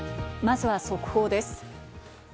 まずは速報です。